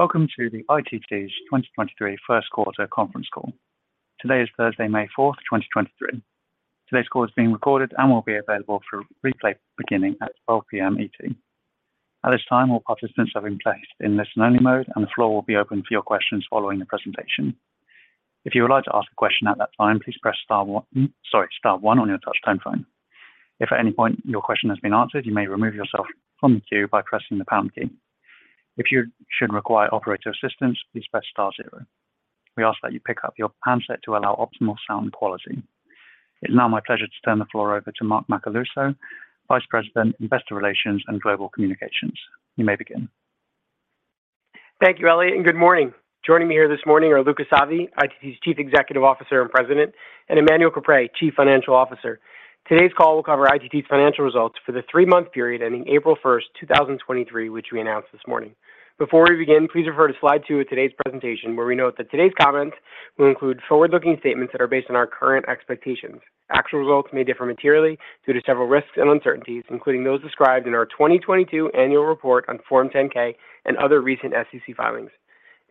Welcome to the ITT's 2023 First Quarter Conference Call. Today is Thursday, May 4th, 2023. Today's call is being recorded and will be available for replay beginning at 12:00 P.M. ET. At this time, all participants have been placed in listen only mode, and the floor will be open for your questions following the presentation. If you would like to ask a question at that time, please press star one on your touch-tone phone. If at any point your question has been answered, you may remove yourself from the queue by pressing the pound key. If you should require operator assistance, please press star zero. We ask that you pick up your handset to allow optimal sound quality. It's now my pleasure to turn the floor over to Mark Macaluso, Vice President, Investor Relations and Global Communications. You may begin. Thank you, Elliot, and good morning. Joining me here this morning are Luca Savi, ITT's Chief Executive Officer and President, and Emmanuel Caprais, Chief Financial Officer. Today's call will cover ITT's financial results for the three-month period ending April 1st, 2023, which we announced this morning. Before we begin, please refer to Slide two today's presentation, where we note that today's comments will include forward-looking statements that are based on our current expectations. Actual results may differ materially due to several risks and uncertainties, including those described in our 2022 annual report on Form 10-K and other recent SEC filings.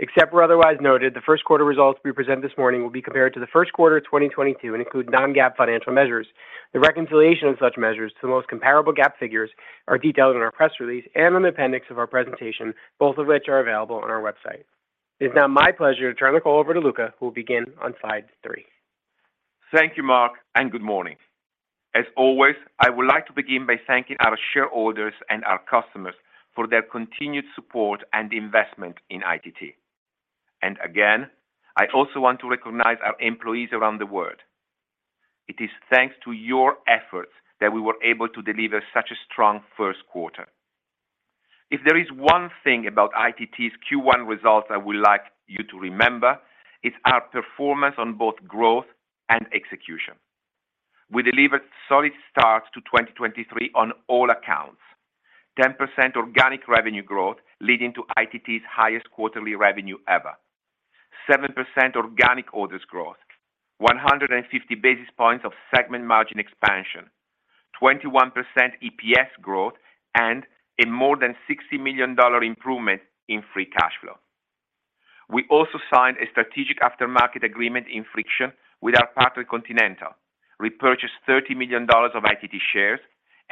Except where otherwise noted, the first quarter results we present this morning will be compared to the first quarter of 2022 and include non-GAAP financial measures. The reconciliation of such measures to the most comparable GAAP figures are detailed in our press release and on the appendix of our presentation, both of which are available on our website. It's now my pleasure to turn the call over to Luca, who will begin on Slide three. Thank you, Mark. Good morning. As always, I would like to begin by thanking our shareholders and our customers for their continued support and investment in ITT. Again, I also want to recognize our employees around the world. It is thanks to your efforts that we were able to deliver such a strong first quarter. If there is one thing about ITT's Q1 results I would like you to remember, it's our performance on both growth and execution. We delivered solid starts to 2023 on all accounts. 10% organic revenue growth, leading to ITT's highest quarterly revenue ever. 7% organic orders growth. 150 basis points of segment margin expansion. 21% EPS growth, and a more than $60 million improvement in free cash flow. We also signed a strategic aftermarket agreement in friction with our partner, Continental. Repurchased $30 million of ITT shares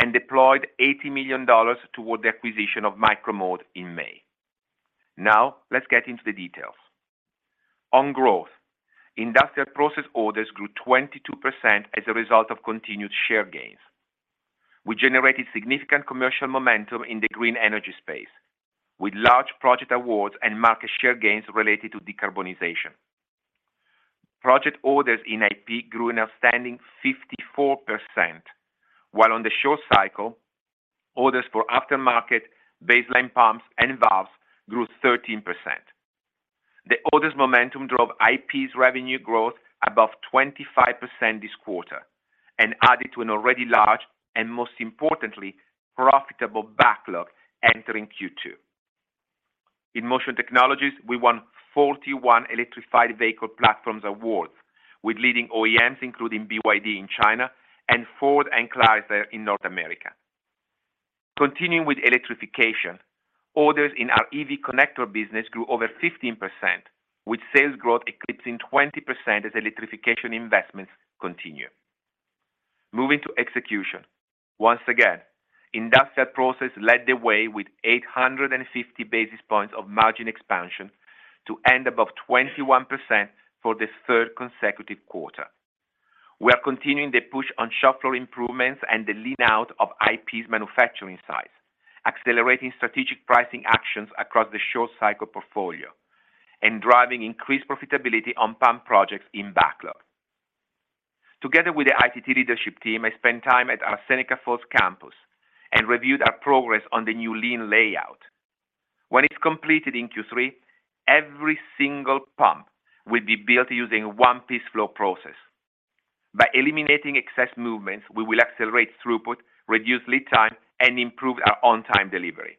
and deployed $80 million toward the acquisition of Micro-Mode in May. Let's get into the details. On growth, industrial process orders grew 22% as a result of continued share gains. We generated significant commercial momentum in the green energy space with large project awards and market share gains related to decarbonization. Project orders in IP grew an outstanding 54%, while on the short cycle, orders for aftermarket baseline pumps and valves grew 13%. The orders momentum drove IP's revenue growth above 25% this quarter and added to an already large and most importantly, profitable backlog entering Q2. In Motion Technologies, we won 41 electrified vehicle platforms awards with leading OEMs, including BYD in China and Ford and Chrysler in North America. Continuing with electrification, orders in our EV connector business grew over 15%, with sales growth eclipsing 20% as electrification investments continue. Moving to execution. Once again, industrial process led the way with 850 basis points of margin expansion to end above 21% for the third consecutive quarter. We are continuing the push on shop floor improvements and the lean out of IP's manufacturing sites, accelerating strategic pricing actions across the short cycle portfolio and driving increased profitability on pump projects in backlog. Together with the ITT leadership team, I spent time at our Seneca Falls campus and reviewed our progress on the new lean layout. When it's completed in Q3, every single pump will be built using one-piece flow process. By eliminating excess movements, we will accelerate throughput, reduce lead time, and improve our on-time delivery.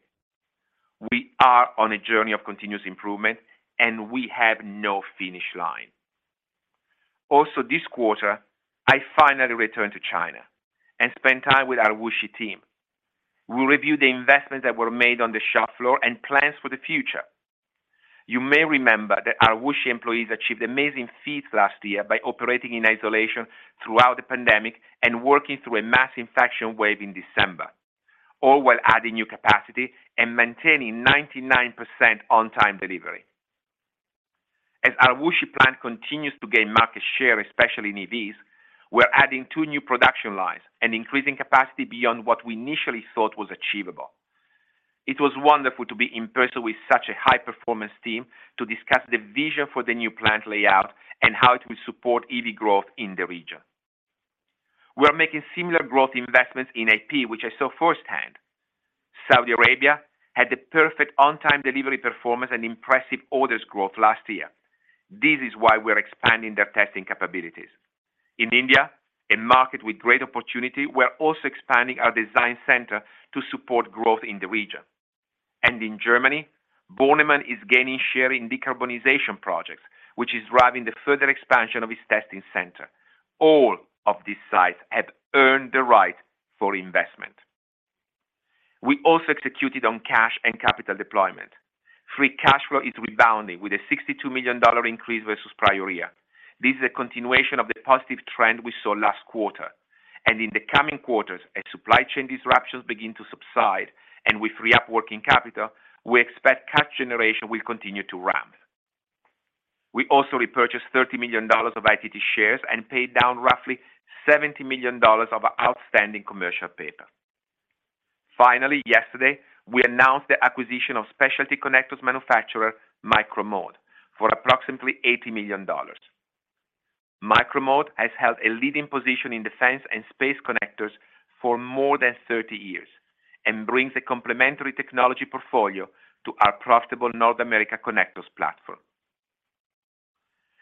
We are on a journey of continuous improvement. We have no finish line. This quarter, I finally returned to China and spent time with our Wuxi team. We reviewed the investments that were made on the shop floor and plans for the future. You may remember that our Wuxi employees achieved amazing feats last year by operating in isolation throughout the pandemic and working through a mass infection wave in December, all while adding new capacity and maintaining 99% on-time delivery. As our Wuxi plant continues to gain market share, especially in EVs, we're adding two new production lines and increasing capacity beyond what we initially thought was achievable. It was wonderful to be in person with such a high-performance team to discuss the vision for the new plant layout and how it will support EV growth in the region. We are making similar growth investments in IP, which I saw firsthand. Saudi Arabia had the perfect on-time delivery performance and impressive orders growth last year. This is why we're expanding their testing capabilities. In India, a market with great opportunity, we're also expanding our design center to support growth in the region. In Germany, Bornemann is gaining share in decarbonization projects, which is driving the further expansion of its testing center. All of these sites have earned the right for investment. We also executed on cash and capital deployment. Free cash flow is rebounding with a $62 million increase versus prior year. This is a continuation of the positive trend we saw last quarter. In the coming quarters, as supply chain disruptions begin to subside, and we free up working capital, we expect cash generation will continue to ramp. We also repurchased $30 million of ITT shares and paid down roughly $70 million of outstanding commercial paper. Yesterday, we announced the acquisition of specialty connectors manufacturer Micro-Mode for approximately $80 million. Micro-Mode has held a leading position in defense and space connectors for more than 30 years and brings a complementary technology portfolio to our profitable North America connectors platform.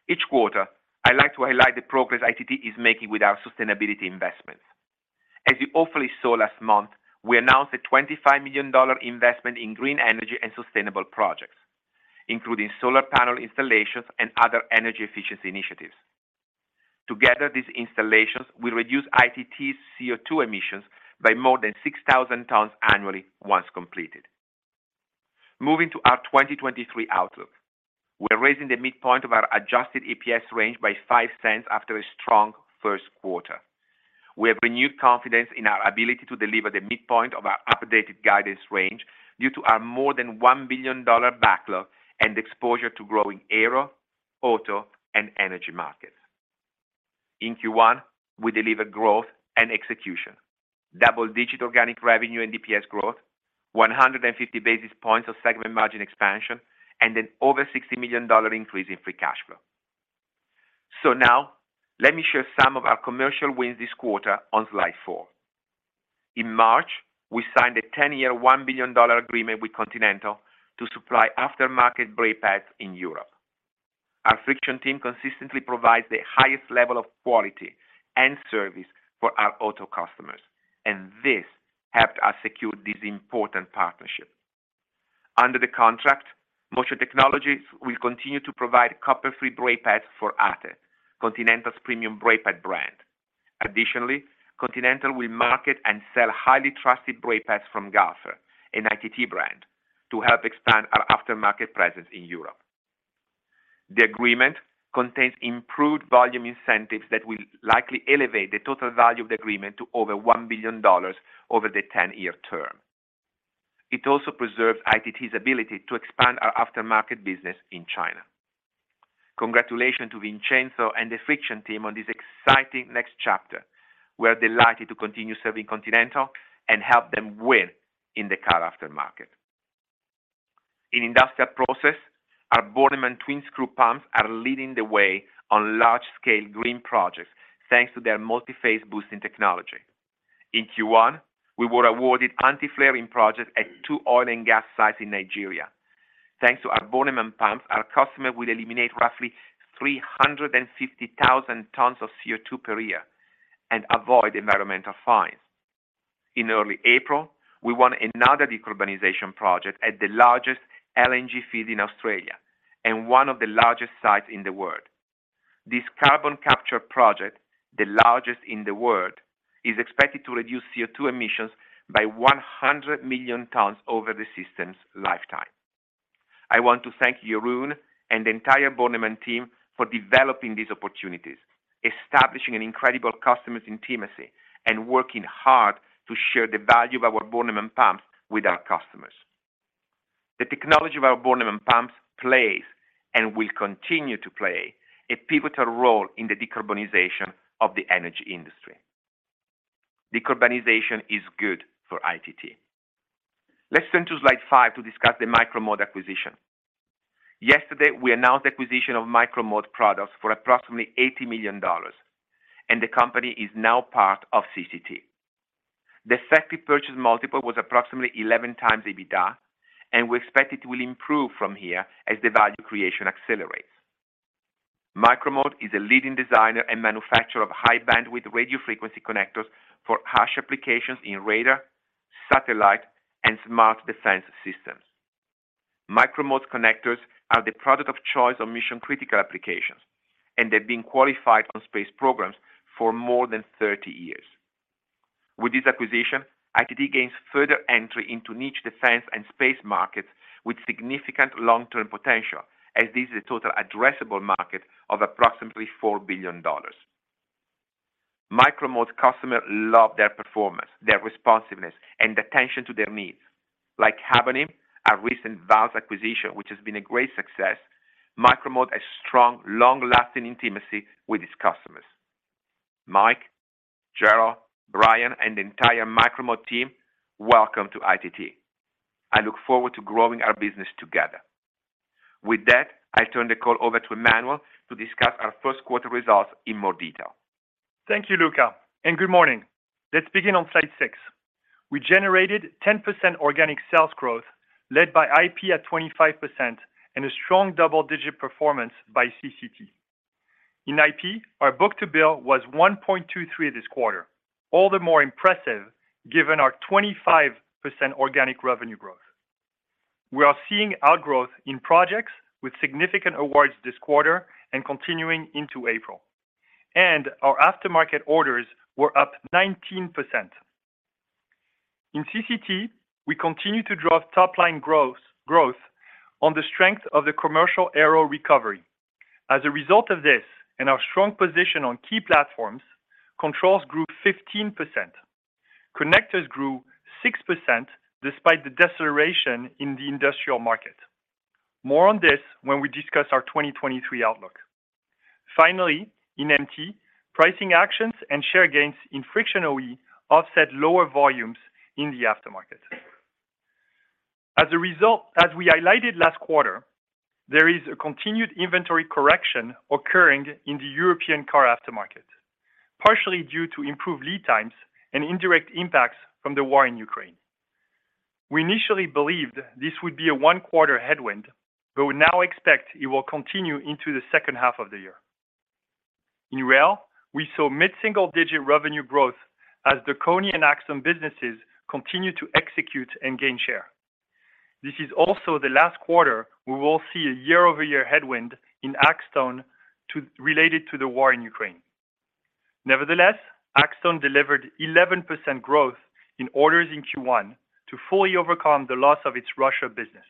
Each quarter, I like to highlight the progress ITT is making with our sustainability investments. As you hopefully saw last month, we announced a $25 million investment in green energy and sustainable projects, including solar panel installations and other energy efficiency initiatives. Together, these installations will reduce ITT's CO2 emissions by more than 6,000 tons annually once completed. Moving to our 2023 outlook. We're raising the midpoint of our Adjusted EPS range by $0.05 after a strong first quarter. We have renewed confidence in our ability to deliver the midpoint of our updated guidance range due to our more than $1 billion backlog and exposure to growing aero, auto, and energy markets. In Q1, we delivered growth and execution, double-digit organic revenue and DPS growth, 150 basis points of segment margin expansion, and an over $60 million increase in free cash flow. Now let me share some of our commercial wins this quarter on Slide four. In March, we signed a 10-year, $1 billion agreement with Continental to supply aftermarket brake pads in Europe. Our friction team consistently provides the highest level of quality and service for our auto customers, and this helped us secure this important partnership. Under the contract, Motion Technologies will continue to provide copper-free brake pads for ATE, Continental's premium brake pad brand. Continental will market and sell highly trusted brake pads from Galfer, an ITT brand, to help expand our aftermarket presence in Europe. The agreement contains improved volume incentives that will likely elevate the total value of the agreement to over $1 billion over the 10-year term. It also preserves ITT's ability to expand our aftermarket business in China. Congratulations to Vincenzo and the friction team on this exciting next chapter. We're delighted to continue serving Continental and help them win in the car aftermarket. In industrial process, our Bornemann twin-screw pumps are leading the way on large-scale green projects, thanks to their multiphase boosting technology. In Q1, we were awarded anti-flaring projects at two oil and gas sites in Nigeria. Thanks to our Bornemann pumps, our customer will eliminate roughly 350,000 tons of CO2 per year and avoid environmental fines. In early April, we won another decarbonization project at the largest LNG field in Australia and one of the largest sites in the world. This carbon capture project, the largest in the world, is expected to reduce CO2 emissions by 100 million tons over the system's lifetime. I want to thank Jeroen and the entire Bornemann team for developing these opportunities, establishing an incredible customer's intimacy, and working hard to share the value of our Bornemann pumps with our customers. The technology of our Bornemann pumps plays and will continue to play a pivotal role in the decarbonization of the energy industry. Decarbonization is good for ITT. Let's turn to Slide four to discuss the Micro-Mode acquisition. Yesterday, we announced the acquisition of Micro-Mode Products for approximately $80 million, and the company is now part of CCT. The effective purchase multiple was approximately 11x EBITDA. We expect it will improve from here as the value creation accelerates. Micro-Mode is a leading designer and manufacturer of high bandwidth radio frequency connectors for harsh applications in radar, satellite, and smart defense systems. Micro-Mode connectors are the product of choice on mission-critical applications. They've been qualified on space programs for more than 30 years. With this acquisition, ITT gains further entry into niche defense and space markets with significant long-term potential as this is a total addressable market of approximately $4 billion. Micro-Mode customers love their performance, their responsiveness, and attention to their needs. Like Habonim, our recent valves acquisition, which has been a great success, Micro-Mode has strong, long-lasting intimacy with its customers. Mike, Gerald, Brian, and the entire Micro-Mode team, welcome to ITT. I look forward to growing our business together. With that, I turn the call over to Emmanuel to discuss our first quarter results in more detail. Thank you, Luca. Good morning. Let's begin on Slide six. We generated 10% organic sales growth led by IP at 25% and a strong double-digit performance by CCT. In IP, our book-to-bill was 1.23 this quarter. All the more impressive given our 25% organic revenue growth. We are seeing outgrowth in projects with significant awards this quarter and continuing into April. Our aftermarket orders were up 19%. In CCT, we continue to drive top-line gross growth on the strength of the commercial aero recovery. As a result of this and our strong position on key platforms, controls grew 15%. Connectors grew 6% despite the deceleration in the industrial market. More on this when we discuss our 2023 outlook. Finally, in MT, pricing actions and share gains in friction OE offset lower volumes in the aftermarket. As we highlighted last quarter, there is a continued inventory correction occurring in the European car aftermarket, partially due to improved lead times and indirect impacts from the war in Ukraine. We initially believed this would be a one-quarter headwind, we now expect it will continue into the second half of the year. In Rail, we saw mid-single digit revenue growth as the KONI and Axtone businesses continue to execute and gain share. This is also the last quarter we will see a year-over-year headwind in Axtone related to the war in Ukraine. Axtone delivered 11% growth in orders in Q1 to fully overcome the loss of its Russia business.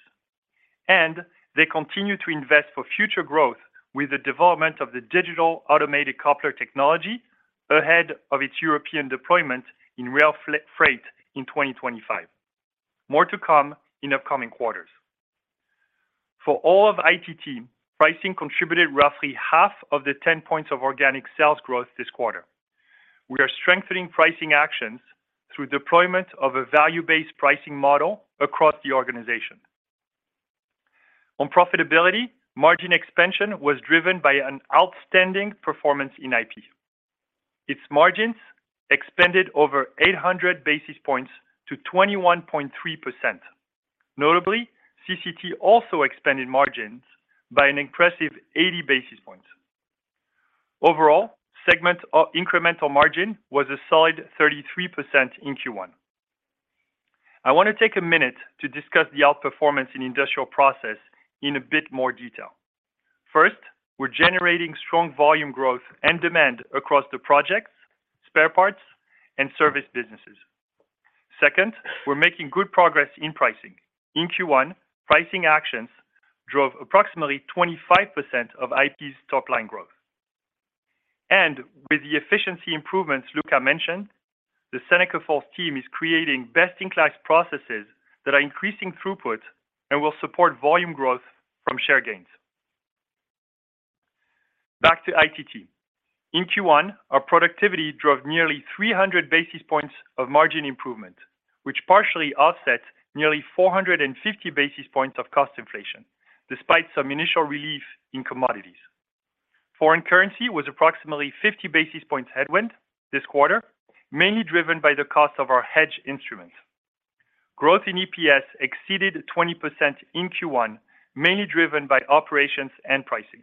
They continue to invest for future growth with the development of the digital automated coupler technology ahead of its European deployment in rail freight in 2025. More to come in upcoming quarters. For all of ITT, pricing contributed roughly half of the 10 points of organic sales growth this quarter. We are strengthening pricing actions through deployment of a value-based pricing model across the organization. On profitability, margin expansion was driven by an outstanding performance in IP. Its margins expanded over 800 basis points to 21.3%. Notably, CCT also expanded margins by an impressive 80 basis points. Overall, segment or incremental margin was a solid 33% in Q1. I want to take a minute to discuss the outperformance in industrial process in a bit more detail. First, we're generating strong volume growth and demand across the projects, spare parts, and service businesses. Second, we're making good progress in pricing. In Q1, pricing actions drove approximately 25% of IP's top line growth. With the efficiency improvements Luca mentioned, the Seneca Falls team is creating best-in-class processes that are increasing throughput and will support volume growth from share gains. Back to ITT. In Q1, our productivity drove nearly 300 basis points of margin improvement, which partially offset nearly 450 basis points of cost inflation, despite some initial relief in commodities. Foreign currency was approximately 50 basis points headwind this quarter, mainly driven by the cost of our hedge instruments. Growth in EPS exceeded 20% in Q1, mainly driven by operations and pricing.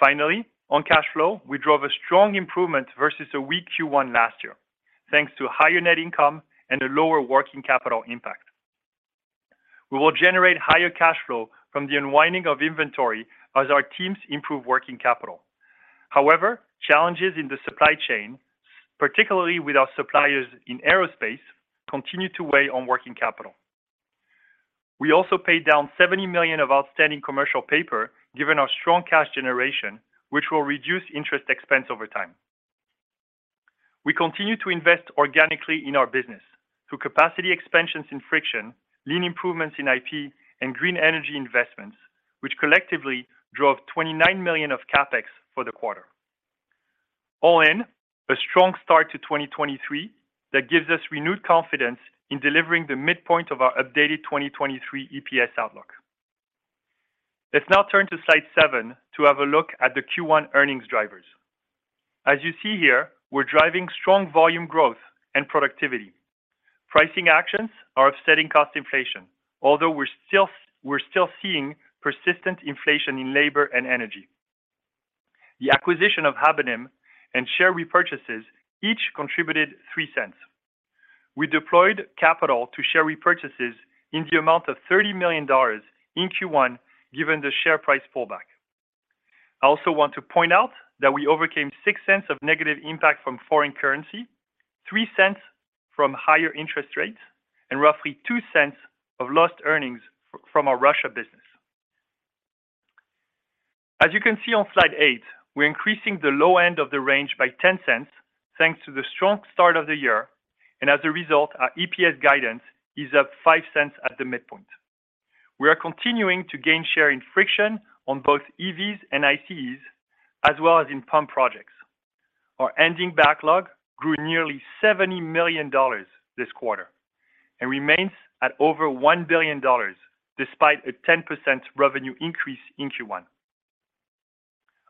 Finally, on cash flow, we drove a strong improvement versus a weak Q1 last year, thanks to higher net income and a lower working capital impact. We will generate higher cash flow from the unwinding of inventory as our teams improve working capital. Challenges in the supply chain, particularly with our suppliers in aerospace, continue to weigh on working capital. We also paid down $70 million of outstanding commercial paper given our strong cash generation, which will reduce interest expense over time. We continue to invest organically in our business through capacity expansions in friction, lean improvements in IP, and green energy investments, which collectively drove $29 million of CapEx for the quarter. All in, a strong start to 2023 that gives us renewed confidence in delivering the midpoint of our updated 2023 EPS outlook. Let's now turn to Slide seven to have a look at the Q1 earnings drivers. You see here, we're driving strong volume growth and productivity. Pricing actions are offsetting cost inflation, although we're still seeing persistent inflation in labor and energy. The acquisition of Habonim and share repurchases each contributed $0.03. We deployed capital to share repurchases in the amount of $30 million in Q1, given the share price pullback. I also want to point out that we overcame $0.06 of negative impact from foreign currency, $0.03 from higher interest rates, and roughly $0.02 of lost earnings from our Russia business. As you can see on Slide eight, we're increasing the low end of the range by $0.10 thanks to the strong start of the year, and as a result, our EPS guidance is up $0.05 at the midpoint. We are continuing to gain share in friction on both EVs and ICEs, as well as in pump projects. Our ending backlog grew nearly $70 million this quarter and remains at over $1 billion despite a 10% revenue increase in Q1.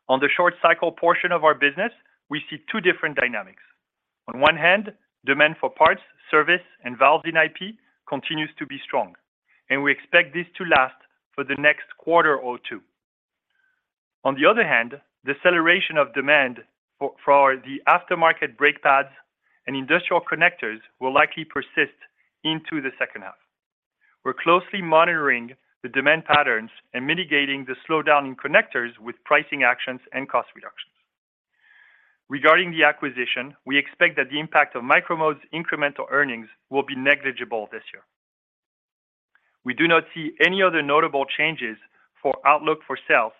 On the short cycle portion of our business, we see two different dynamics. On one hand, demand for parts, service, and valves in IP continues to be strong, and we expect this to last for the next quarter or two. On the other hand, the acceleration of demand for the aftermarket brake pads and industrial connectors will likely persist into the second half. We're closely monitoring the demand patterns and mitigating the slowdown in connectors with pricing actions and cost reductions. Regarding the acquisition, we expect that the impact of Micro-Mode's incremental earnings will be negligible this year. We do not see any other notable changes for outlook for sales,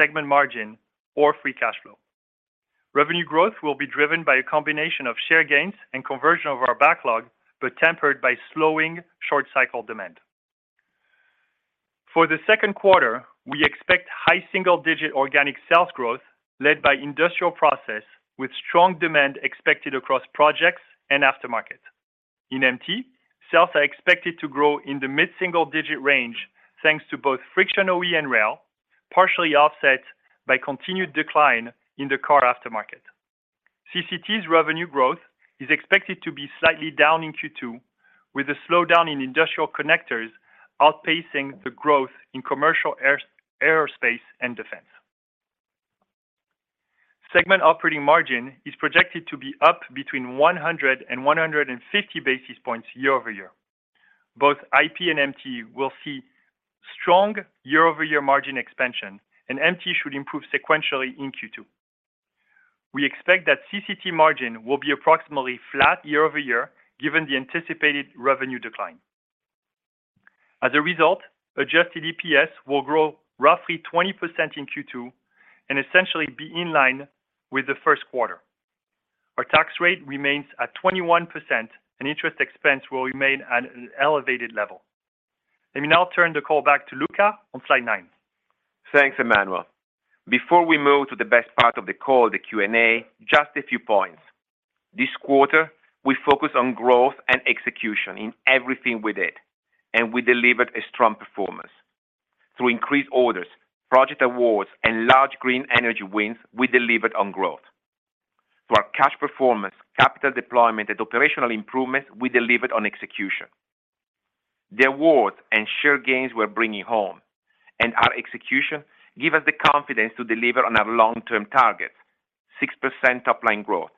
segment margin, or free cash flow. Revenue growth will be driven by a combination of share gains and conversion of our backlog, but tempered by slowing short cycle demand. For the second quarter, we expect high single-digit organic sales growth led by Industrial Process, with strong demand expected across projects and aftermarket. In MT, sales are expected to grow in the mid-single digit range, thanks to both friction OE and rail, partially offset by continued decline in the car aftermarket. CCT's revenue growth is expected to be slightly down in Q2 with a slowdown in industrial connectors outpacing the growth in commercial aerospace and defense. Segment operating margin is projected to be up between 100 and 150 basis points year-over-year. Both IP and MT will see strong year-over-year margin expansion, and MT should improve sequentially in Q2. We expect that CCT margin will be approximately flat year-over-year, given the anticipated revenue decline. As a result, Adjusted EPS will grow roughly 20% in Q2 and essentially be in line with the first quarter. Our tax rate remains at 21%, and interest expense will remain at an elevated level. Let me now turn the call back to Luca on Slide nine. Thanks, Emmanuel. Before we move to the best part of the call, the Q&A, just a few points. This quarter, we focused on growth and execution in everything we did. We delivered a strong performance. Through increased orders, project awards, and large green energy wins, we delivered on growth. Through our cash performance, capital deployment, and operational improvements, we delivered on execution. The awards and share gains we're bringing home and our execution give us the confidence to deliver on our long-term targets: 6% topline growth,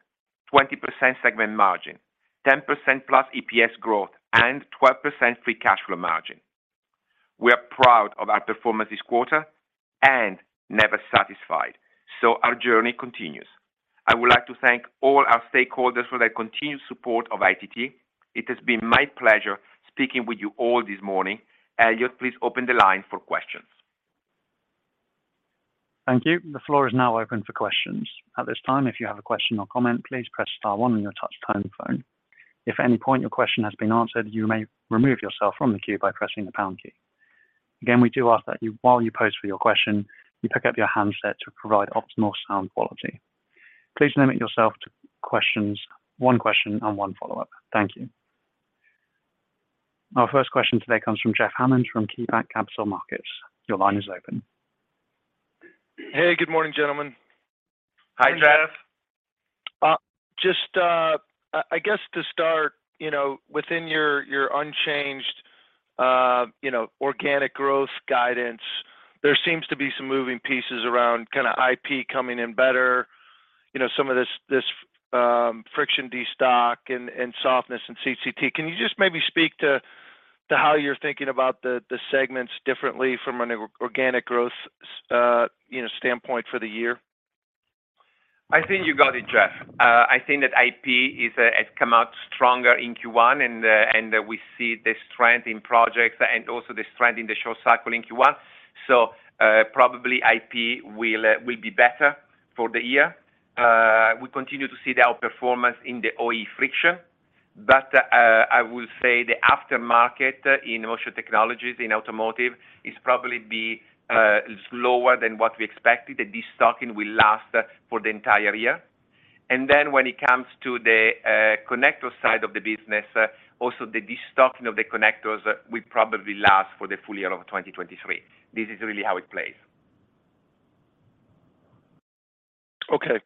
20% segment margin, 10%+ EPS growth, and 12% free cash flow margin. We are proud of our performance this quarter and never satisfied. Our journey continues. I would like to thank all our stakeholders for their continued support of ITT. It has been my pleasure speaking with you all this morning. Elliot, please open the line for questions. Thank you. The floor is now open for questions. At this time, if you have a question or comment, please press star one on your touch-tone phone. If at any point your question has been answered, you may remove yourself from the queue by pressing the pound key. Again, we do ask that while you pose for your question, you pick up your handset to provide optimal sound quality. Please limit yourself to questions. One question and one follow-up. Thank you. Our first question today comes from Jeff Hammond from KeyBanc Capital Markets. Your line is open. Hey, good morning, gentlemen. Hi, Jeff. Morning. Just, I guess to start, you know, within your unchanged, you know, organic growth guidance, there seems to be some moving pieces around kinda IP coming in better, you know, some of this friction destock and softness in CCT. Can you just maybe speak to how you're thinking about the segments differently from an organic growth standpoint for the year? I think you got it, Jeff. I think that IP is has come out stronger in Q1 and we see the strength in projects and also the strength in the show cycle in Q1. Probably IP will be better for the year. We continue to see the outperformance in the OE friction. I will say the aftermarket in Motion Technologies in automotive is probably be slower than what we expected. The destocking will last for the entire year. When it comes to the connector side of the business, also the destocking of the connectors will probably last for the full year of 2023. This is really how it plays. Okay.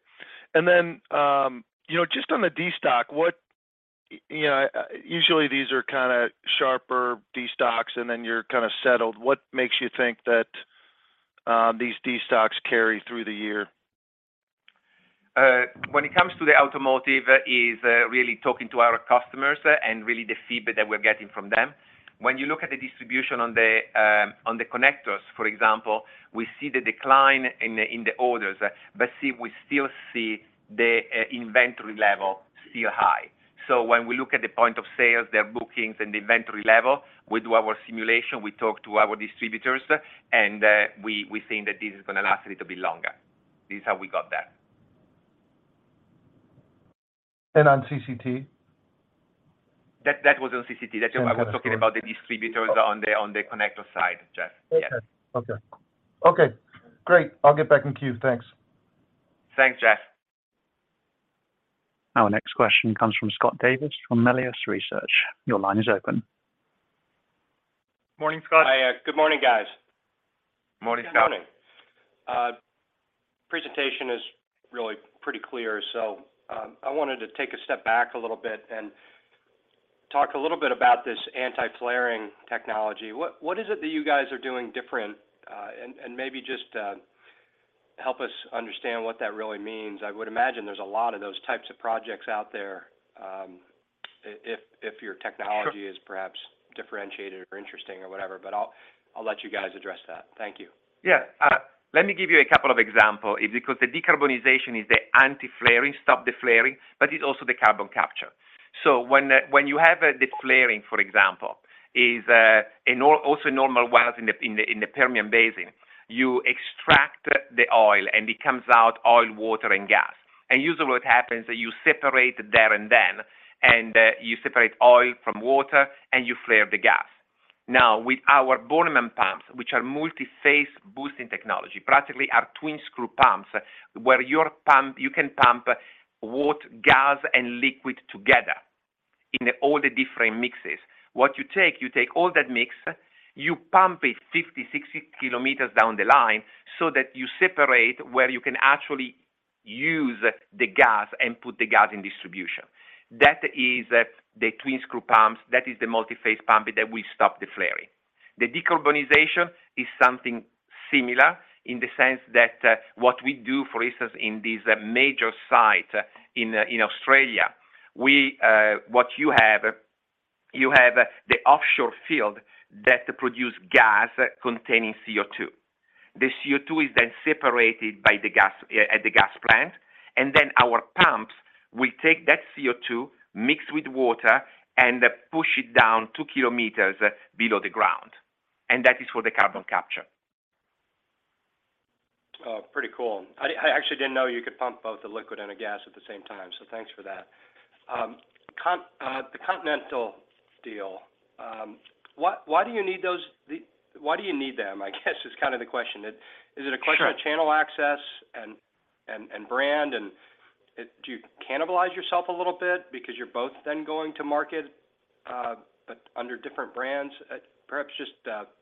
You know, just on the destock, you know, usually these are kinda sharper destocks, and then you're kinda settled. What makes you think that, these destocks carry through the year? When it comes to the automotive is really talking to our customers, really the feedback that we're getting from them. When you look at the distribution on the connectors, for example, we see the decline in the orders, but we still see the inventory level still high. When we look at the point of sales, their bookings and the inventory level, we do our simulation, we talk to our distributors, we think that this is gonna last a little bit longer. This is how we got that. On CCT? That was on CCT. That's what I was talking about, the distributors on the, on the connector side, Jeff. Yeah. Okay. Okay. Okay, great. I'll get back in queue. Thanks. Thanks, Jeff. Our next question comes from Scott Davis from Melius Research. Your line is open. Morning, Scott. Hi. Good morning, guys. Morning, Scott. Good morning. Presentation is really pretty clear. I wanted to take a step back a little bit and talk a little bit about this anti-flaring technology. What, what is it that you guys are doing different? Maybe just help us understand what that really means. I would imagine there's a lot of those types of projects out there, if your technology... Sure... Is perhaps differentiated or interesting or whatever, but I'll let you guys address that. Thank you. Yeah. Let me give you a couple of example, is because the decarbonization is the anti-flaring, stop the flaring, but it's also the carbon capture. When you have the flaring, for example, is also normal wells in the Permian Basin, you extract the oil, and it comes out oil, water, and gas. Usually what happens, you separate there and then. You separate oil from water, and you flare the gas. Now, with our Bornemann pumps, which are multiphase boosting technology, practically are twin-screw pumps, where you can pump water, gas, and liquid together in all the different mixes. What you take all that mix, you pump it 50, 60 km down the line so that you separate where you can actually use the gas and put the gas in distribution. That is the twin-screw pumps. That is the multi-phase pump that will stop the flaring. The decarbonization is something similar in the sense that what we do, for instance, in this major site in Australia, we what you have the offshore field that produce gas containing CO2. The CO2 is then separated at the gas plant, and then our pumps will take that CO2, mix with water, and push it down 2 km below the ground. That is for the carbon capture. Oh, pretty cool. I actually didn't know you could pump both a liquid and a gas at the same time, so thanks for that. The Continental deal, why do you need them, I guess, is kinda the question. Is it a question? Sure Of channel access and brand, and do you cannibalize yourself a little bit because you're both then going to market, but under different brands? Perhaps just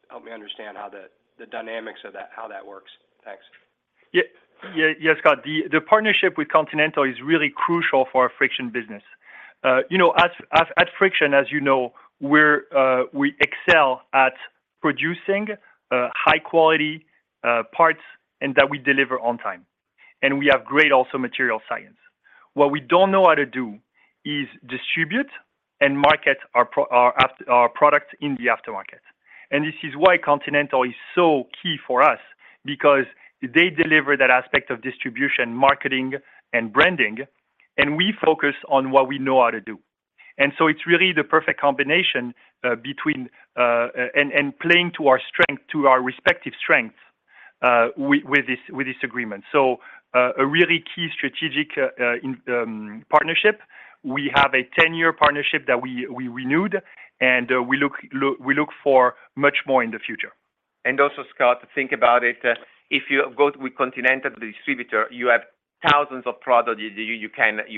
help me understand how the dynamics of that, how that works. Thanks. Yeah, yeah, Scott. The partnership with Continental is really crucial for our Friction business. You know, at Friction, we're we excel at producing high quality parts and that we deliver on time, and we have great also material science. What we don't know how to do is distribute and market our products in the aftermarket. This is why Continental is so key for us because they deliver that aspect of distribution, marketing, and branding, and we focus on what we know how to do. It's really the perfect combination between and playing to our strength, to our respective strengths with this agreement. A really key strategic partnership. We have a 10-year partnership that we renewed, and we look for much more in the future. Also, Scott, think about it. If you go with Continental distributor, you have thousands of products you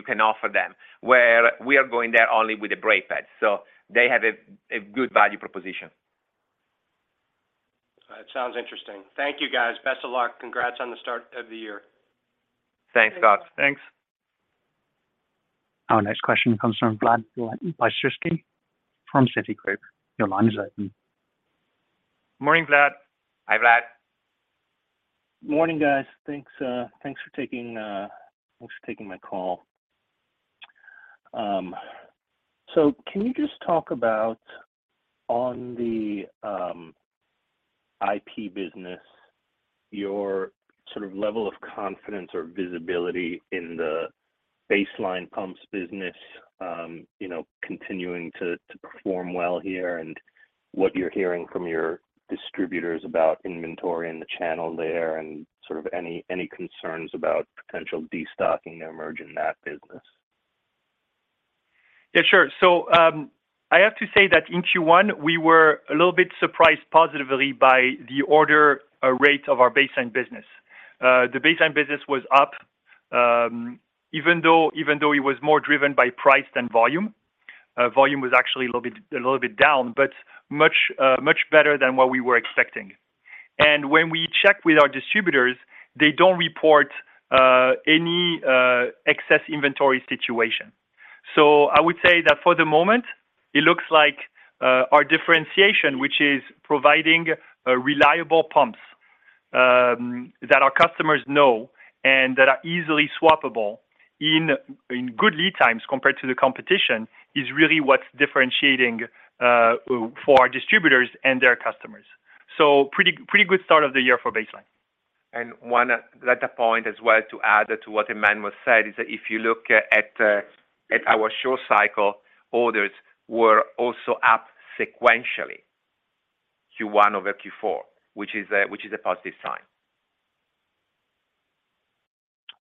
can offer them, where we are going there only with the brake pads. They have a good value proposition. That sounds interesting. Thank you, guys. Best of luck. Congrats on the start of the year. Thanks, Scott. Thanks. Our next question comes from Vladimir Bystricky from Citigroup. Your line is open. Morning, Vlad. Hi, Vlad. Morning, guys. Thanks for taking my call. Can you just talk about on the IP business, your sort of level of confidence or visibility in the baseline pumps business, you know, continuing to perform well here, and what you're hearing from your distributors about inventory in the channel there, and sort of any concerns about potential destocking to emerge in that business? Yeah, sure. I have to say that in Q1, we were a little bit surprised positively by the order rate of our baseline business. The baseline business was up, even though it was more driven by price than volume. Volume was actually a little bit down, but much better than what we were expecting. When we check with our distributors, they don't report any excess inventory situation. I would say that for the moment, it looks like our differentiation, which is providing reliable pumps, that our customers know and that are easily swappable in good lead times compared to the competition is really what's differentiating for our distributors and their customers. Pretty, pretty good start of the year for baseline. That point as well to add to what Emmanuel said is that if you look at our short cycle orders were also up sequentially, Q1 over Q4, which is a positive sign.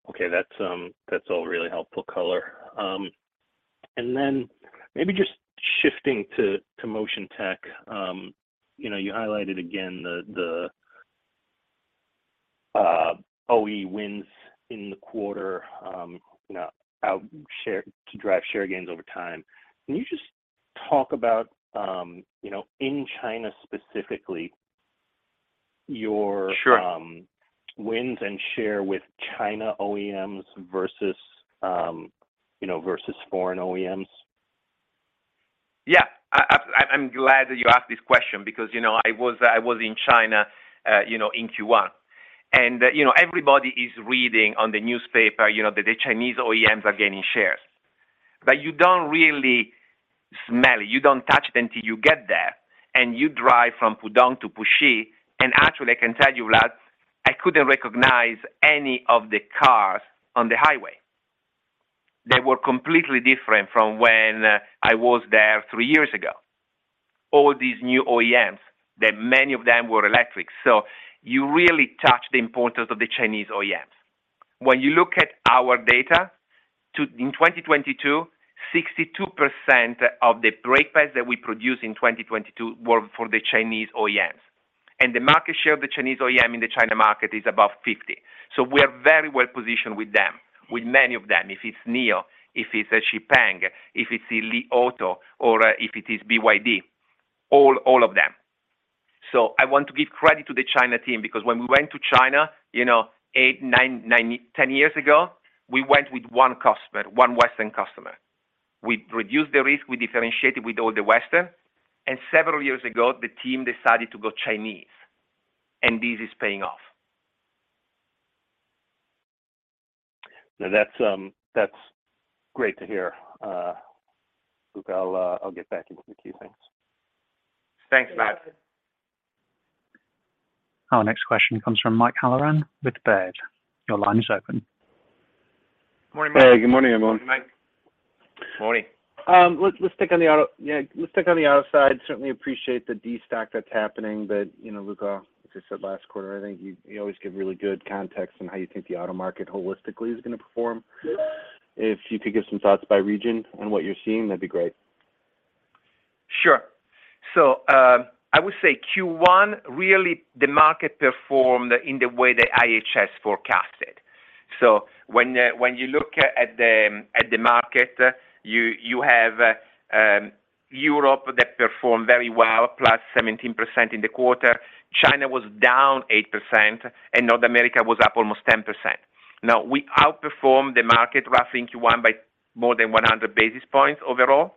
Okay, that's all really helpful color. Maybe just shifting to Motion Tech. You know, you highlighted again the OE wins in the quarter, you know, to drive share gains over time. Can you just talk about, you know, in China specifically Your- Sure... Wins and share with China OEMs versus, you know, versus foreign OEMs. Yeah. I'm glad that you asked this question because, you know, I was in China, you know, in Q1. You know, everybody is reading on the newspaper, you know, that the Chinese OEMs are gaining shares. You don't really smell, you don't touch them till you get there, and you drive from Pudong to Puxi, and actually, I can tell you, Vlad, I couldn't recognize any of the cars on the highway. They were completely different from when I was there three years ago. All these new OEMs, that many of them were electric. You really touch the importance of the Chinese OEMs. When you look at our data in 2022, 62% of the brake pads that we produced in 2022 were for the Chinese OEMs. The market share of the Chinese OEM in the China market is above 50%. We're very well positioned with them, with many of them. If it's Nio, if it's XPeng, if it's Li Auto or if it is BYD, all of them. I want to give credit to the China team because when we went to China, you know, eight, nine, 10 years ago, we went with one customer, one Western customer. We reduced the risk, we differentiated with all the Western. Several years ago, the team decided to go Chinese, and this is paying off. That's, that's great to hear. Look, I'll get back in with a few things. Thanks, Matt. Our next question comes from Mike Halloran with Baird. Your line is open. Morning, Mike. Hey, good morning, everyone. Morning, Mike. Morning. Let's stick on the auto. Yeah, let's stick on the auto side. Certainly appreciate the destock that's happening. You know, Luca, as you said last quarter, I think you always give really good context on how you think the auto market holistically is gonna perform. If you could give some thoughts by region on what you're seeing, that'd be great. Sure. I would say Q1, really the market performed in the way that IHS forecasted. When you look at the market, you have Europe that performed very well, +17% in the quarter. China was down 8%, and North America was up almost 10%. We outperformed the market roughly in Q1 by more than 100 basis points overall.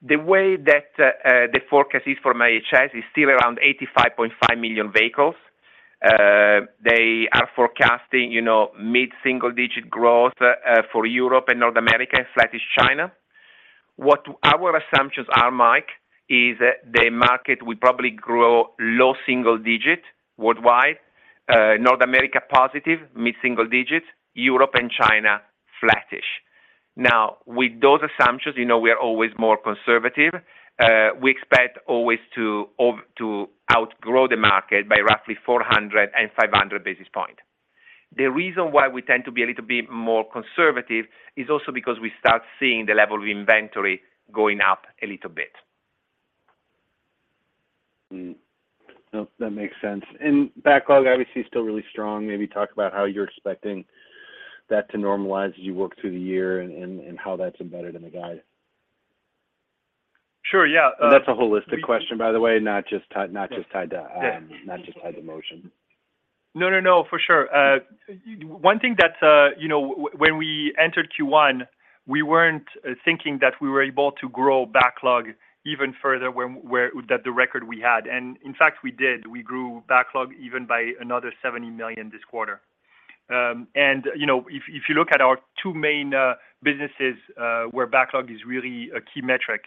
The way that the forecast is from IHS is still around 85.5 million vehicles. They are forecasting, you know, mid-single digit growth for Europe and North America, flatish China. What our assumptions are, Mike, is the market will probably grow low single digit worldwide. North America positive, mid-single digit, Europe and China, flatish. With those assumptions, you know we are always more conservative. We expect always to outgrow the market by roughly 400 and 500 basis point. The reason why we tend to be a little bit more conservative is also because we start seeing the level of inventory going up a little bit. No, that makes sense. Backlog obviously is still really strong. Maybe talk about how you're expecting that to normalize as you work through the year and how that's embedded in the guide. Sure. Yeah. That's a holistic question, by the way, not just tied to Motion. No, no, for sure. One thing that, you know, when we entered Q1, we weren't thinking that we were able to grow backlog even further where that the record we had. In fact, we did. We grew backlog even by another $70 million this quarter. You know, if you look at our two main businesses, where backlog is really a key metric,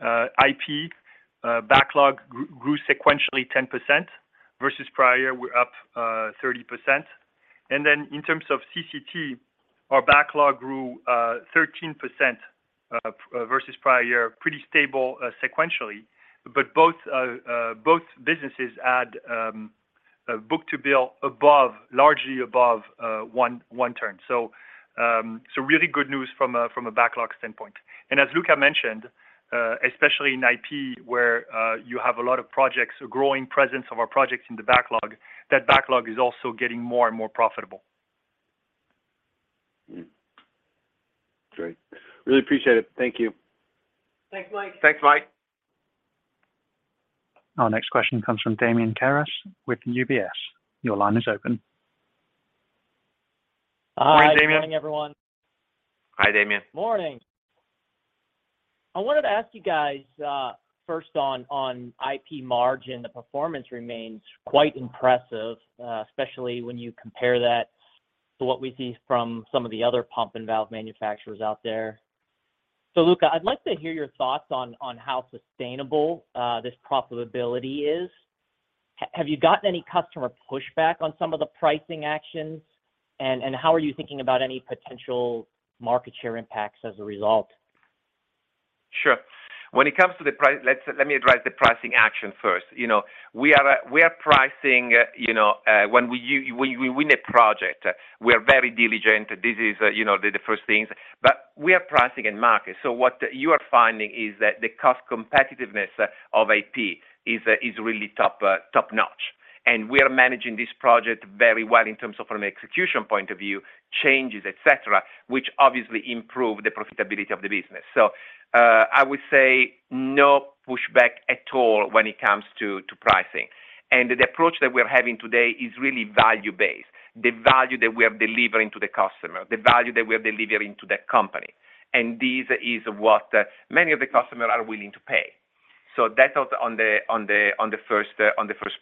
IP backlog grew sequentially 10% versus prior, we're up 30%. In terms of CCT, our backlog grew 13% versus prior year, pretty stable sequentially. Both businesses add book-to-bill above, largely above, one turn. Really good news from a backlog standpoint. As Luca mentioned, especially in IP where you have a lot of projects, a growing presence of our projects in the backlog, that backlog is also getting more and more profitable. Great. Really appreciate it. Thank you. Thanks, Mike. Thanks, Mike. Our next question comes from Damian Karas with UBS. Your line is open. Morning, Damian. Hi. Good morning, everyone. Hi, Damian. Morning. I wanted to ask you guys, first on IP margin, the performance remains quite impressive, especially when you compare that to what we see from some of the other pump and valve manufacturers out there. Luca, I'd like to hear your thoughts on how sustainable this profitability is. Have you gotten any customer pushback on some of the pricing actions? How are you thinking about any potential market share impacts as a result? Sure. When it comes to let me address the pricing action first. You know, we are pricing, you know, when we win a project, we are very diligent. This is, you know, the first things. We are pricing in market. What you are finding is that the cost competitiveness of IP is really top-notch. We are managing this project very well in terms of from an execution point of view, changes, etc., which obviously improve the profitability of the business. I would say no pushback at all when it comes to pricing. The approach that we're having today is really value-based, the value that we are delivering to the customer, the value that we are delivering to the company. This is what many of the customers are willing to pay. That's on the first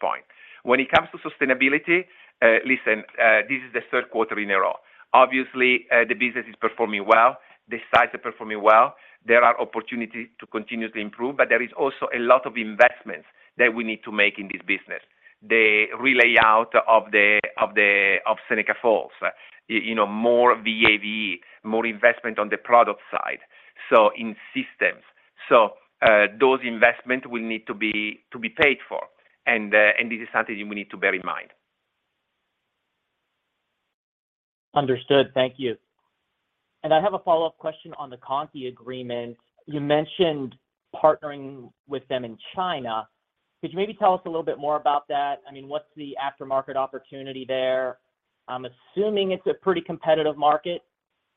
point. When it comes to sustainability, listen, this is the third quarter in a row. Obviously, the business is performing well. The sites are performing well. There are opportunities to continue to improve, but there is also a lot of investments that we need to make in this business. The relay out of the, of Seneca Falls. You know, more VAV, more investment on the product side, so in systems. Those investments will need to be paid for. This is something we need to bear in mind. Understood. Thank you. I have a follow-up question on the Conti agreement. You mentioned partnering with them in China. Could you maybe tell us a little bit more about that? I mean, what's the aftermarket opportunity there? I'm assuming it's a pretty competitive market.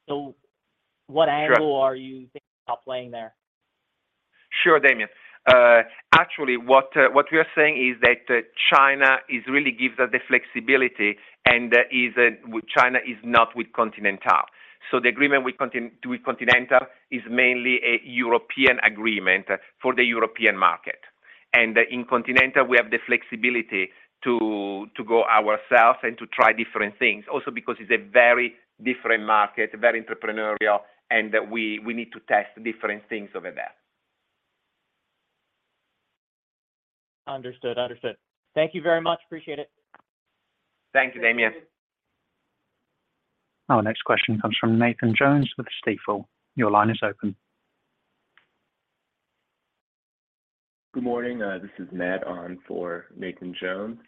What angle. Sure. Are you thinking about playing there? Sure, Damian. actually, what we are saying is that China is really gives us the flexibility and with China is not with Continental. The agreement with Continental is mainly a European agreement for the European market. In Continental, we have the flexibility to go ourselves and to try different things also because it's a very different market, very entrepreneurial, and we need to test different things over there. Understood. Understood. Thank you very much. Appreciate it. Thank you, Damian. Our next question comes from Nathan Jones with Stifel. Your line is open. Good morning. This is Matt on for Nathan Jones.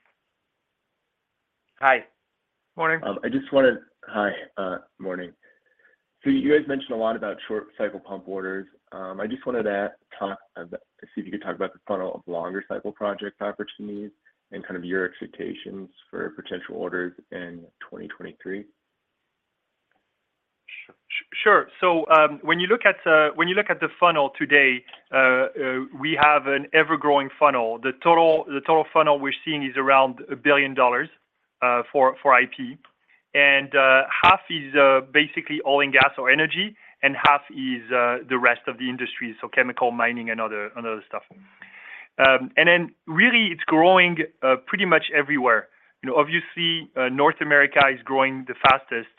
Hi. Morning. Hi. Morning. You guys mentioned a lot about short cycle pump orders. See if you could talk about the funnel of longer cycle project opportunities and kind of your expectations for potential orders in 2023? Sure. When you look at, when you look at the funnel today, we have an ever-growing funnel. The total funnel we're seeing is around $1 billion for IP. Half is basically oil and gas or energy, and half is the rest of the industry. Chemical mining and other stuff. Really, it's growing pretty much everywhere. You know, obviously, North America is growing the fastest,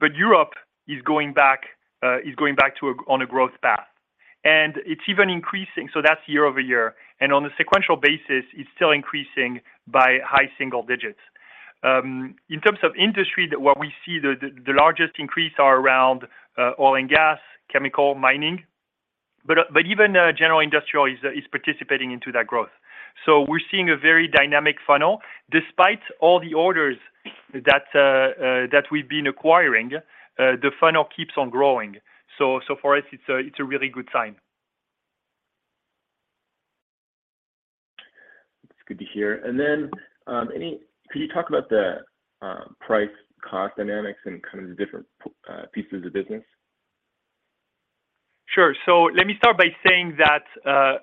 but Europe is going back on a growth path. It's even increasing. That's year-over-year. On a sequential basis, it's still increasing by high single digits. In terms of industry, what we see the largest increase are around oil and gas, chemical mining. Even general industrial is participating into that growth. We're seeing a very dynamic funnel. Despite all the orders that we've been acquiring, the funnel keeps on growing. For us, it's a really good sign. That's good to hear. Could you talk about the price cost dynamics in kind of the different pieces of business? Sure. Let me start by saying that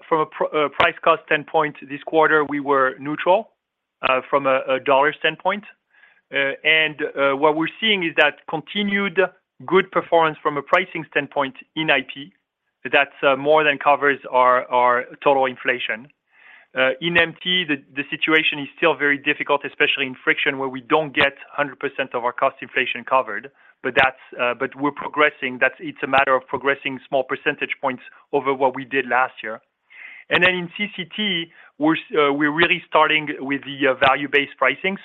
from a price cost standpoint, this quarter, we were neutral from a dollar standpoint. What we're seeing is that continued good performance from a pricing standpoint in IP, that's more than covers our total inflation. In MT, the situation is still very difficult, especially in friction, where we don't get 100% of our cost inflation covered. That's, but we're progressing. It's a matter of progressing small percentage points over what we did last year. In CCT, we're really starting with the value-based pricing.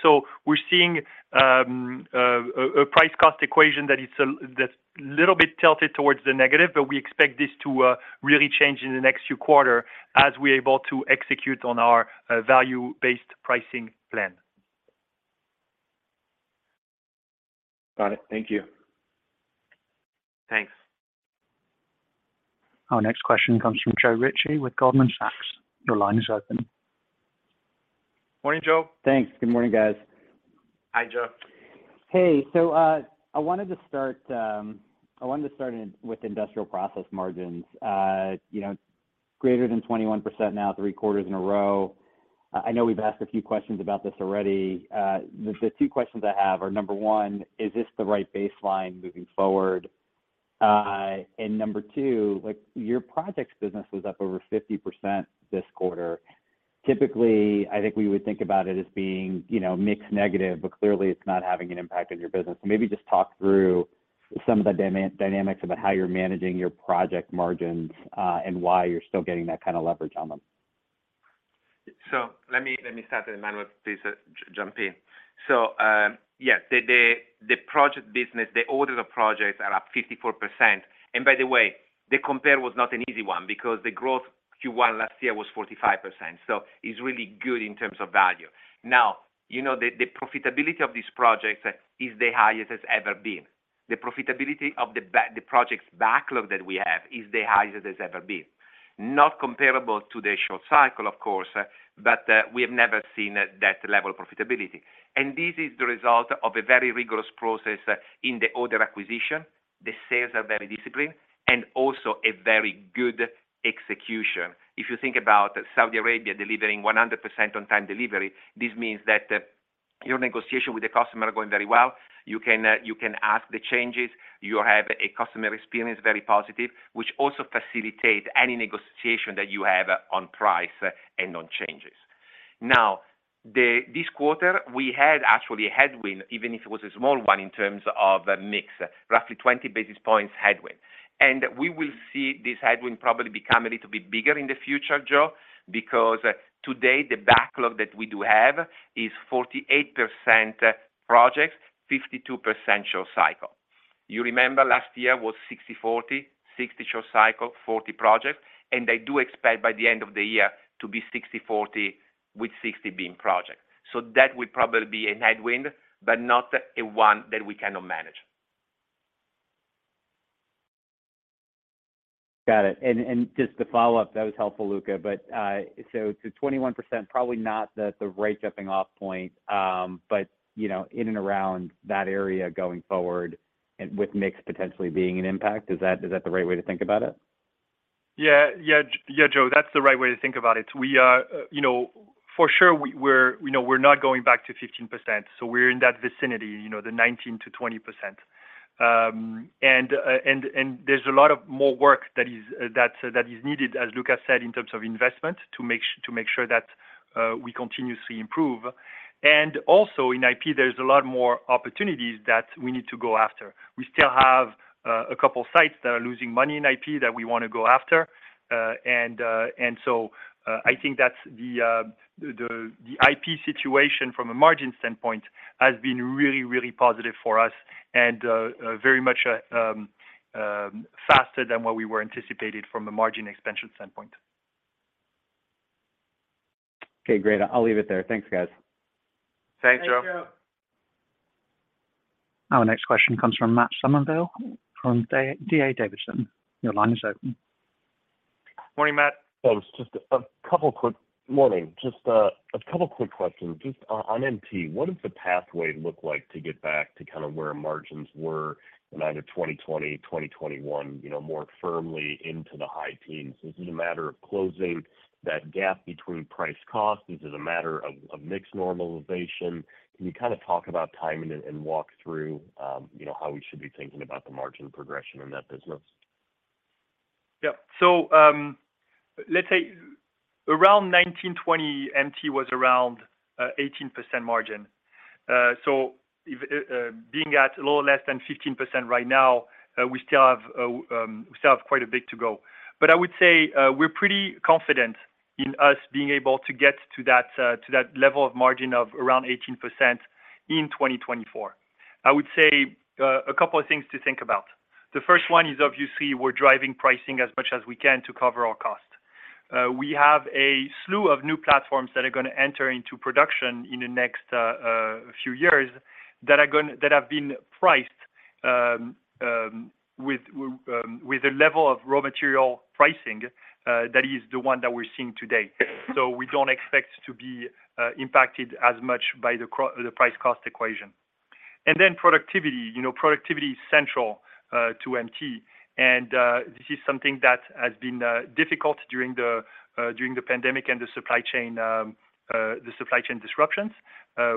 We're seeing a price cost equation that's little bit tilted towards the negative, but we expect this to really change in the next few quarter as we're able to execute on our value-based pricing plan. Got it. Thank you. Thanks. Our next question comes from Joe Ritchie with Goldman Sachs. Your line is open. Morning, Joe. Thanks. Good morning, guys. Hi, Joe. Hey. I wanted to start with industrial process margins. You know, greater than 21% now, three quarters in a row. I know we've asked a few questions about this already. The two questions I have are, number one, is this the right baseline moving forward? Number two, like your projects business was up over 50% this quarter. Typically, I think we would think about it as being, you know, mixed negative, but clearly it's not having an impact on your business. Maybe just talk through some of the dynamics about how you're managing your project margins, and why you're still getting that kinda leverage on them. Let me, let me start, and Emmanuel, please jump in. Yes, the project business, the orders of projects are up 54%. By the way, the compare was not an easy one because the growth Q1 last year was 45%. It's really good in terms of value. Now, you know, the profitability of these projects is the highest it's ever been. The profitability of the projects backlog that we have is the highest it has ever been. Not comparable to the short cycle, of course, but we have never seen that level of profitability. This is the result of a very rigorous process in the order acquisition. The sales are very disciplined and also a very good execution. If you think about Saudi Arabia delivering 100% on time delivery, this means that your negotiation with the customer are going very well. You can ask the changes. You have a customer experience very positive, which also facilitate any negotiation that you have on price, and on changes. This quarter, we had actually a headwind, even if it was a small one in terms of mix, roughly 20 basis points headwind. We will see this headwind probably become a little bit bigger in the future, Joe, because today the backlog that we do have is 48% projects, 52% short cycle. You remember last year was 60/40, 60 short cycle, 40 projects, and I do expect by the end of the year to be 60/40 with 60 being projects. That will probably be a headwind, but not a one that we cannot manage. Got it. Just to follow up, that was helpful, Luca. To 21%, probably not the right jumping off point, but, you know, in and around that area going forward and with mix potentially being an impact, is that the right way to think about it? Yeah. Yeah, Joe, that's the right way to think about it. We are for sure, we're not going back to 15%, so we're in that vicinity, the 19%-20%. There's a lot of more work that is needed, as Luca said, in terms of investment to make sure that we continuously improve. Also in IP, there's a lot more opportunities that we need to go after. We still have a couple sites that are losing money in IP that we wanna go after. I think that's the IP situation from a margin standpoint has been really positive for us and very much faster than what we were anticipated from a margin expansion standpoint. Okay, great. I'll leave it there. Thanks, guys. Thanks, Joe. Thanks, Joe. Our next question comes from Matt Summerville from D.A. Davidson. Your line is open. Morning, Matt. Thanks. Just a couple quick. Morning. Just a couple quick questions. Just on MT, what does the pathway look like to get back to kind of where margins were in either 2020, 2021, you know, more firmly into the high teens? Is it a matter of closing that gap between price cost? Is it a matter of mix normalization? Can you kind of talk about timing and walk through, you know, how we should be thinking about the margin progression in that business? Yeah. Let's say around 1920, MT was around 18% margin. If being at a little less than 15% right now, we still have quite a bit to go. I would say, we're pretty confident in us being able to get to that to that level of margin of around 18% in 2024. I would say, a couple of things to think about. The first one is, obviously, we're driving pricing as much as we can to cover our costs. We have a slew of new platforms that are gonna enter into production in the next few years that have been priced with a level of raw material pricing that is the one that we're seeing today. We don't expect to be impacted as much by the price cost equation. Productivity. You know, productivity is central to MT. This is something that has been difficult during the pandemic and the supply chain disruptions.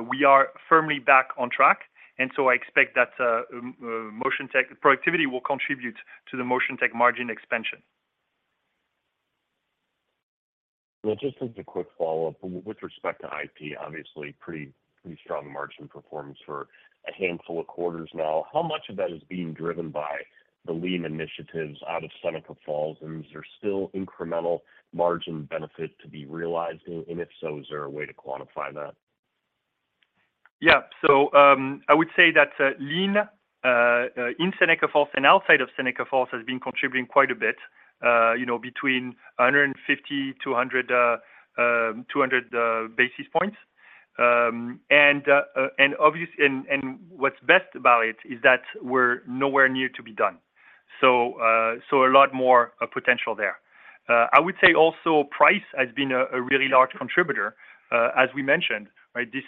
We are firmly back on track. I expect that Motion Tech productivity will contribute to the Motion Tech margin expansion. Just as a quick follow-up with respect to IP, obviously pretty strong margin performance for a handful of quarters now. How much of that is being driven by the lean initiatives out of Seneca Falls, and is there still incremental margin benefit to be realized? If so, is there a way to quantify that? I would say that lean in Seneca Falls and outside of Seneca Falls has been contributing quite a bit, you know, between 150-200 basis points. What's best about it is that we're nowhere near to be done. A lot more potential there. I would say also price has been a really large contributor, as we mentioned, right? This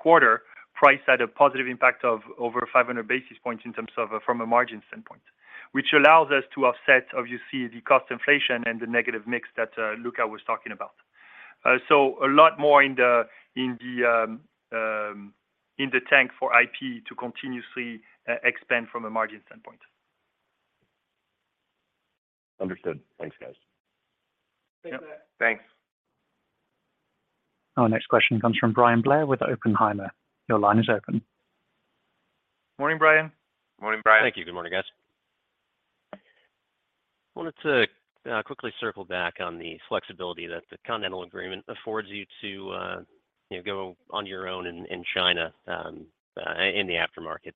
quarter, price had a positive impact of over 500 basis points in terms of from a margin standpoint, which allows us to offset, obviously, the cost inflation and the negative mix that Luca was talking about. A lot more in the tank for IP to continuously expand from a margin standpoint. Understood. Thanks, guys. Thanks, Matt. Thanks. Our next question comes from Brian Blair with Oppenheimer. Your line is open. Morning, Brian. Morning, Brian. Thank you. Good morning, guys. Wanted to quickly circle back on the flexibility that the Continental agreement affords you to, you know, go on your own in China, in the aftermarket.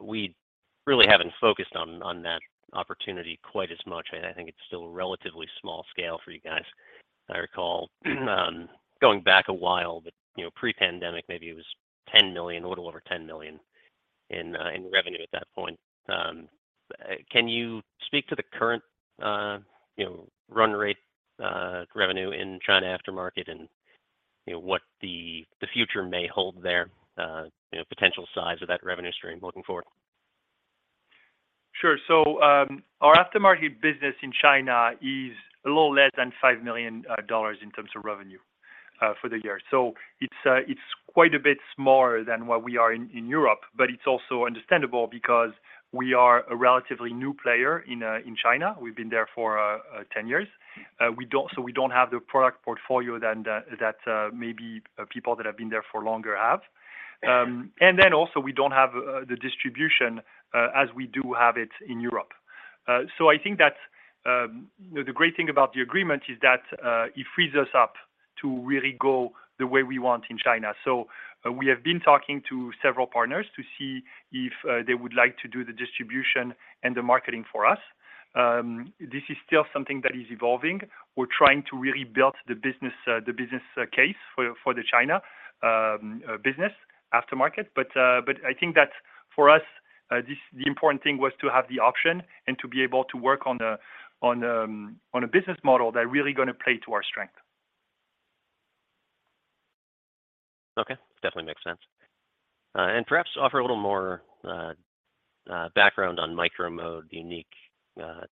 We really haven't focused on that opportunity quite as much, and I think it's still relatively small scale for you guys. I recall, going back a while, but, you know, pre-pandemic, maybe it was $10 million, a little over $10 million in revenue at that point. Can you speak to the current, you know, run rate, revenue in China aftermarket and, you know, what the future may hold there, you know, potential size of that revenue stream moving forward? Sure. Our aftermarket business in China is a little less than $5 million in terms of revenue for the year. It's quite a bit smaller than what we are in Europe, but it's also understandable because we are a relatively new player in China. We've been there for 10 years. We don't have the product portfolio that maybe people that have been there for longer have. Also we don't have the distribution as we do have it in Europe. I think that the great thing about the agreement is that it frees us up to really go the way we want in China. We have been talking to several partners to see if they would like to do the distribution and the marketing for us. This is still something that is evolving. We're trying to really build the business, the business case for the China business aftermarket. I think that for us, the important thing was to have the option and to be able to work on a business model that really gonna play to our strength. Okay. Definitely makes sense. Perhaps offer a little more background on Micro-Mode unique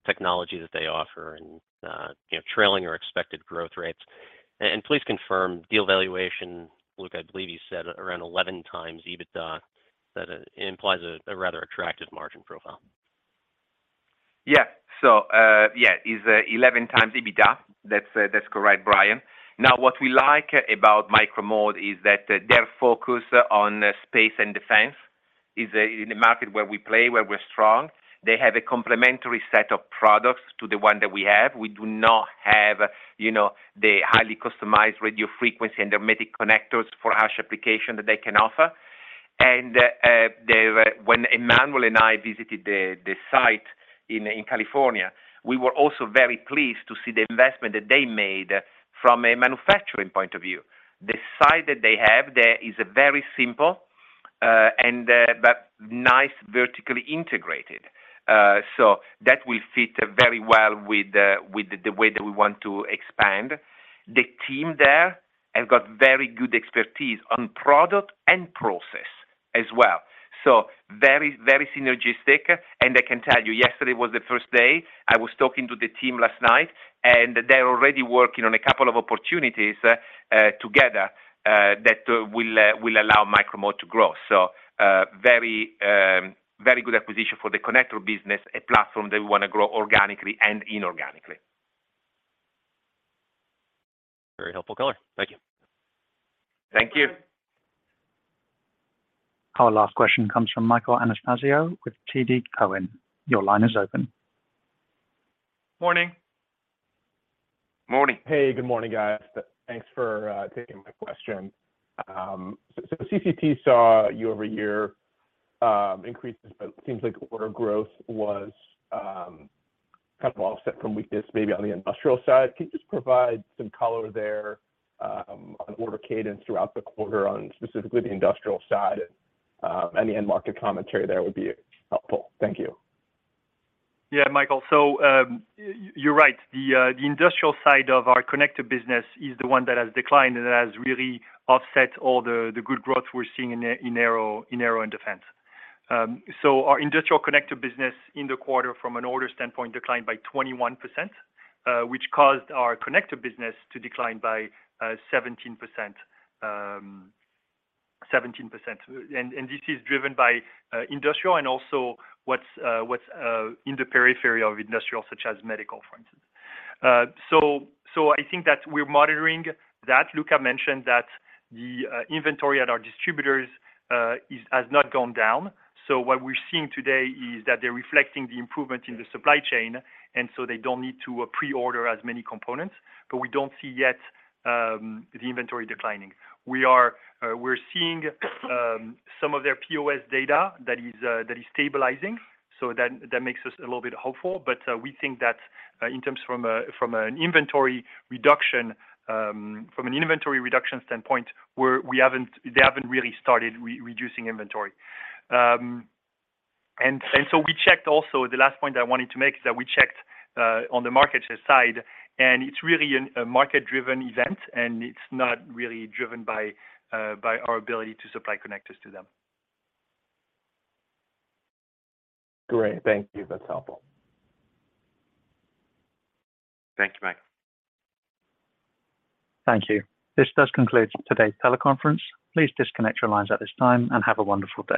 technology that they offer and, you know, trailing or expected growth rates. Please confirm deal valuation. Luca, I believe you said around 11x EBITDA. That implies a rather attractive margin profile. Yeah. So, yeah, is 11x EBITDA. That's correct, Brian. Now, what we like about Micro-Mode is that their focus on space and defense is in a market where we play, where we're strong. They have a complementary set of products to the one that we have. We do not have, you know, the highly customized radio frequency and hermetic connectors for harsh application that they can offer. When Emmanuel and I visited the site in California, we were also very pleased to see the investment that they made from a manufacturing point of view. The site that they have there is a very simple and nice vertically integrated, so that will fit very well with the way that we want to expand. The team there have got very good expertise on product and process as well. Very, very synergistic. I can tell you, yesterday was the first day. I was talking to the team last night, and they're already working on a couple of opportunities together that will allow Micro-Mode to grow. Very good acquisition for the connector business, a platform that we wanna grow organically and inorganically. Very helpful color. Thank you. Thank you. Our last question comes from Michael Anastasio with TD Cowen. Your line is open. Morning. Morning. Hey, good morning, guys. Thanks for taking my question. CCT saw year-over-year increases, but seems like order growth was kind of offset from weakness maybe on the industrial side. Can you just provide some color there on order cadence throughout the quarter on specifically the industrial side? Any end market commentary there would be helpful. Thank you. Yeah, Michael. You're right. The industrial side of our connector business is the one that has declined and has really offset all the good growth we're seeing in Aero and Defense. Our industrial connector business in the quarter from an order standpoint declined by 21%, which caused our connector business to decline by 17%. 17%. This is driven by industrial and also what's what's in the periphery of industrial, such as medical, for instance. I think that we're monitoring that. Luca mentioned that the inventory at our distributors has not gone down. What we're seeing today is that they're reflecting the improvement in the supply chain, they don't need to pre-order as many components. We don't see yet the inventory declining. We're seeing some of their POS data that is that is stabilizing. That makes us a little bit hopeful. We think that in terms from an inventory reduction standpoint, they haven't really started re-reducing inventory. We checked also, the last point I wanted to make is that we checked on the market side, and it's really an, a market-driven event, and it's not really driven by our ability to supply connectors to them. Great. Thank you. That's helpful. Thank you, Mike. Thank you. This does conclude today's teleconference. Please disconnect your lines at this time and have a wonderful day.